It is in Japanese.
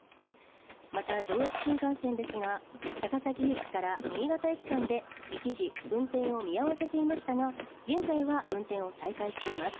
また、上越新幹線ですが、高崎駅から新潟駅間で一時、運転を見合わせていましたが現在は運転を再開しています。